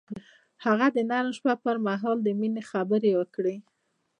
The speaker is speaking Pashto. هغه د نرم شپه پر مهال د مینې خبرې وکړې.